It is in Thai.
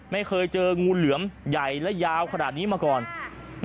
ไม่เคยเจองูเหลือมใหญ่และยาวขนาดนี้มาก่อน